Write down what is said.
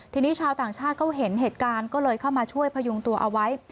ทีนี้ชาวต่างชาติเขาเห็นเหตุการณ์ก็เลยเข้ามาช่วยพยุงตัวเอาไว้